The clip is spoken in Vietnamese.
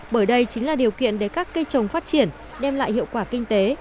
bởi đây chính là điều kiện để các cây trồng phát triển đem lại hiệu quả kinh tế